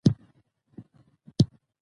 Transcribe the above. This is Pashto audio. پکتیکا د افغانانو د ګټورتیا برخه ده.